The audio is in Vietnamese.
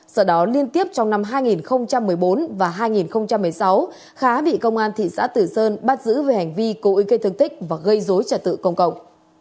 sau đó liên tiếp trong năm hai nghìn một mươi bốn và hai nghìn một mươi sáu khá bị công an thị xã tử sơn bắt giữ về hành vi cố ý gây thương tích và gây dối trật tự công cộng